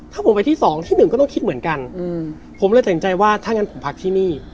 ถ้าผมไปที่สองที่หนึ่งก็ต้องคิดเหมือนกันผมเลยตัดสินใจว่าถ้างั้นผมพักที่นี่